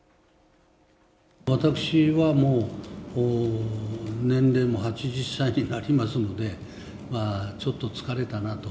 私はもう年齢も８０歳になりますので、まあちょっと疲れたなと。